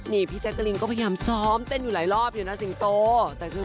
นี่พี่แจ๊กลิ้งก็พยายามซ้อมเต้นอยู่หลายรอบหรือยังนะสิงโตแต่คือ